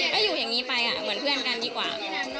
ก็อยู่อย่างนี้ไปเหมือนเพื่อนกันดีกว่า